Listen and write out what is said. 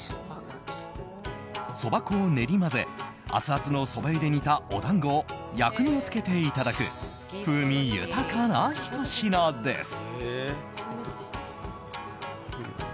そば粉を練り混ぜアツアツのそば湯で煮たお団子を薬味を付けていただく風味豊かなひと品です。